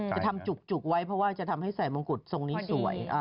จะทำจุกไว้เพราะว่าจะทำให้ใส่มงกุฎทรงนี้สวย